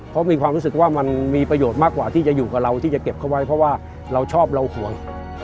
เพราะมีความรู้สึกว่ามันมีประโยชน์มากกว่าที่จะอยู่กับเราที่จะเก็บเขาไว้เพราะว่าเราชอบเราห่วง